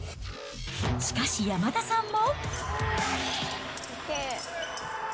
しかし山田さんも。